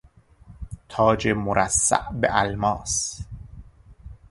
تاج مرصع به الماس